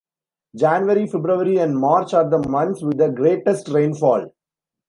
January, February and March are the months with the greatest rainfall.